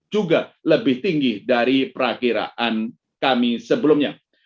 juga lebih tinggi dari perakiraan kami sebelumnya